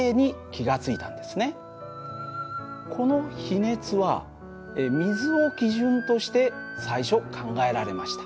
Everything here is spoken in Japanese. この比熱は水を基準として最初考えられました。